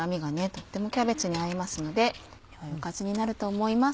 とってもキャベツに合いますのでよいおかずになると思います。